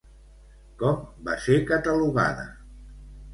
Com va ser catalogada?